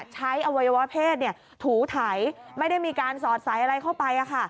ใช้อวัยวะเพศถูไถไม่ได้มีการสอดใสอะไรเข้าไป